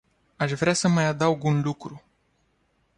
Aș vrea să mai adaug un lucru.